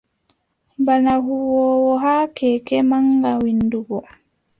Bana huwoowo haa keeke maŋga winndugo.